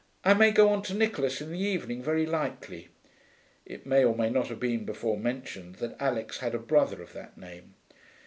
I may go on to Nicholas in the evening, very likely.' (It may or may not have been before mentioned that Alix had a brother of that name.)